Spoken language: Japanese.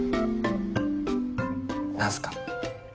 何すか？